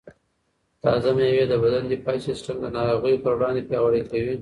تازه مېوې د بدن دفاعي سیسټم د ناروغیو پر وړاندې پیاوړی کوي.